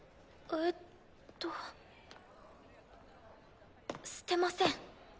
えっと捨てません。